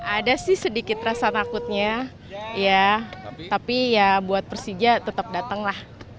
ada sih sedikit rasa takutnya ya tapi ya buat persija tetap datang lah